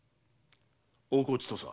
大河内土佐。